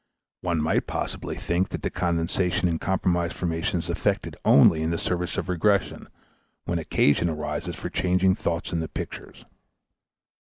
One might possibly think that the condensation and compromise formation is effected only in the service of regression, when occasion arises for changing thoughts into pictures.